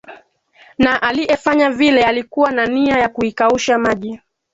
Na aliefanya vile alikuwa na nia ya kuikausha maji